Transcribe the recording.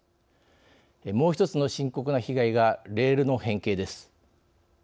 もう１つの深刻な被害がレールの変形です。